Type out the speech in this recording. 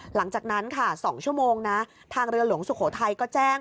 หลังจากนั้นค่ะ๒ชั่วโมงนะทางเรือหลวงสุโขทัยก็แจ้ง